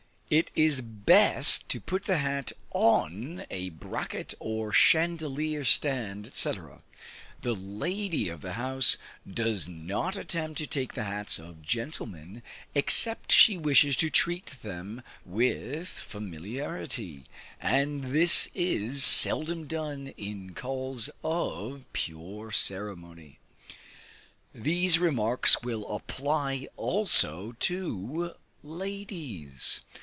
It is best to put the hat on a bracket or chandelier stand, &c. The lady of a house does not attempt to take the hats of gentlemen, except she wishes to treat them with familiarity, and this is seldom done in calls of pure ceremony. These remarks will apply also to ladies.